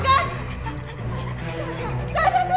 gak ada izzan